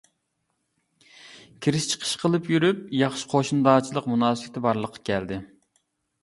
كىرىش-چىقىش قىلىپ يۈرۈپ ياخشى قوشنىدارچىلىق مۇناسىۋىتى بارلىققا كەلدى.